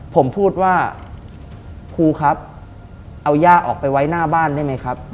ผมพูดว่าครูครับเอาย่าออกไปไว้หน้าบ้านได้ไหมครับ